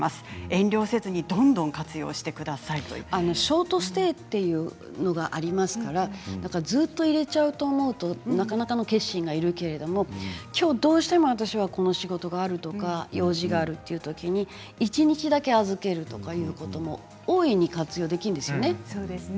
遠慮せずにショートステイというのがありますからずっと入れてしまうと思うとなかなか決心がいるけれどきょうどうしても私はこの仕事があるとか用事があるというときに一日だけ預けるとかいうことも大いに活用できるんですよね。